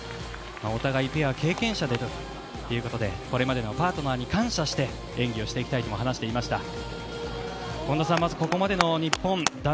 お互いペア経験者ということでこれまでのパートナーに感謝して演技をしていきたいとも話していました。